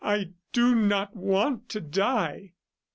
. I do not want to die!"